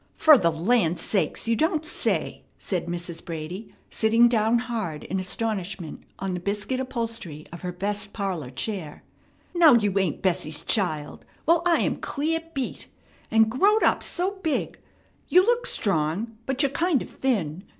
"Fer the land sakes! You don't say," said Mrs. Brady, sitting down hard in astonishment on the biscuit upholstery of her best parlor chair. "Now you ain't Bessie's child! Well, I am clear beat. And growed up so big! You look strong, but you're kind of thin.